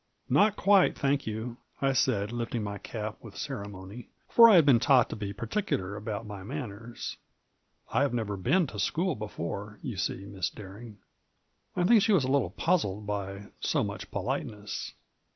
" Not quite, thank you," I said, lifting my cap with ceremony, for I had been taught to be particular about my manners ;" I have never been to school before, you see. Miss Bering." I think she was a little puzzled by so much polite ness.